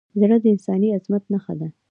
زړه د انساني عظمت نښه ده.